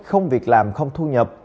không việc làm không thu nhập